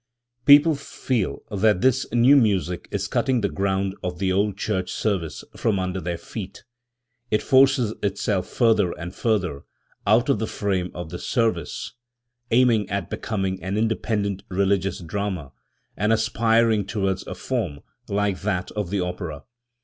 People feel that this new music is cutting the ground of the old church service from under their feet. It forces itself further and further out of the frame of the service, aiming at becoming an independent religious drama, and aspiring towards a form like that of the opera.